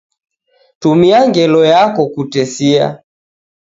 Tumia ngelo yako kutesia.